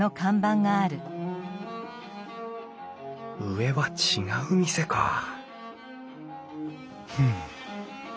上は違う店かふん。